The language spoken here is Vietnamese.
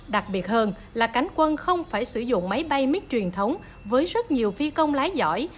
đặc biệt hơn là cánh quân không phải sử dụng máy bay mít truyền thống với rất nhiều phi công lái giỏi